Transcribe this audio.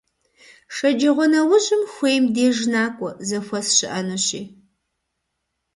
Шэджагъуэнэужьым хуейм деж накӀуэ, зэхуэс щыӀэнущи.